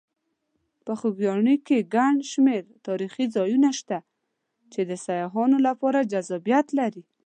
په خوږیاڼي کې ګڼ شمېر تاریخي ځایونه شته چې د سیاحانو لپاره جذابیت لري.